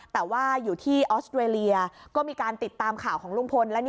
แต่ว่าอยู่ที่ออสเตรเลียก็มีการติดตามข่าวของลุงพลและ